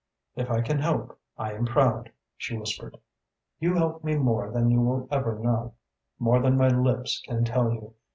"If I can help, I am proud," she whispered. "You help more than you will ever know, more than my lips can tell you.